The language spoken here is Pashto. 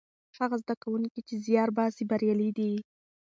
هغه زده کوونکي چې زیار باسي بریالي دي.